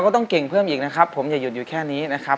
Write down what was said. ต้องเก่งเพิ่มอีกนะครับผมอย่าหยุดอยู่แค่นี้นะครับ